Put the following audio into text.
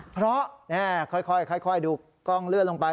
เพราะค่อยดูกล้องเลือดลงไป